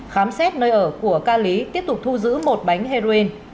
khám xét nơi ở của ca lý tiếp tục thu giữ một bánh heroin